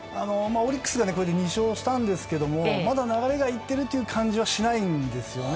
オリックスが、これで２勝したんですがまだ流れが行っているという感じはしないんですよね。